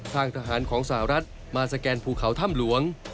ทางทหารของสหรัฐมาสแกนภูเขาถ้ำหลวง